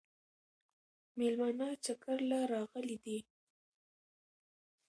مېلمانه چکر له راغلي دي